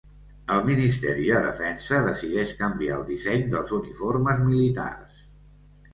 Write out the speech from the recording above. El Ministeri de Defensa decideix canviar el disseny dels uniformes militars.